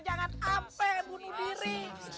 jangan ampe bunuh diri